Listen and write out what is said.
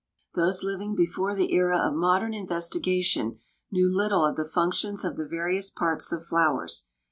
Those living before the era of modern investigation knew little of the functions of the various parts of flowers.